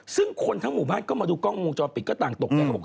ซึ่งคนทั้งหมู่บ้านก็มาดูกล้องวงจรปิดก็ต่างตกใจเขาบอก